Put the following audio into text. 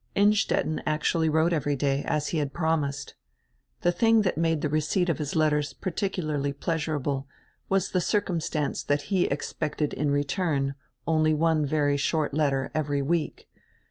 Innstetten actually wrote every day, as he had promised The tiling that made the receipt of his letters particularly pleasurable was the circumstance that he expected in return only one very short letter every week.